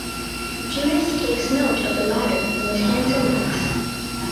Judith takes note of the latter and his handsome looks.